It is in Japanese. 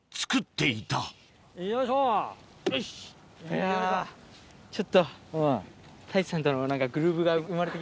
いやちょっと。